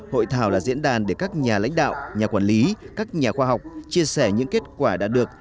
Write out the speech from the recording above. hội thảo là diễn đàn để các nhà lãnh đạo nhà quản lý các nhà khoa học chia sẻ những kết quả đã được